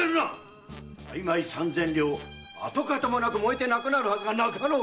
大枚三千両跡形もなく燃えてなくなるはずがなかろう！